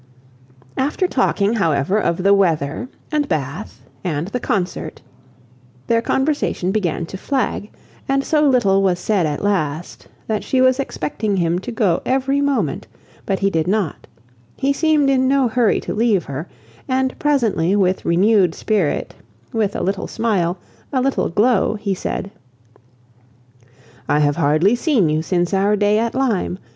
After talking, however, of the weather, and Bath, and the concert, their conversation began to flag, and so little was said at last, that she was expecting him to go every moment, but he did not; he seemed in no hurry to leave her; and presently with renewed spirit, with a little smile, a little glow, he said— "I have hardly seen you since our day at Lyme.